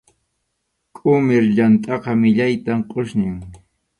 Qʼumir yamtʼaqa millaytam qʼusñin.